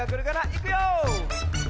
いくよ！